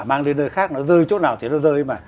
mang đến nơi khác nó rơi chỗ nào thì nó rơi mà